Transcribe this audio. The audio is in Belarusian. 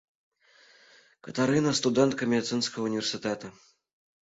Катарына, студэнтка медыцынскага ўніверсітэта.